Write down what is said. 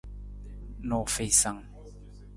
Nuufiisang.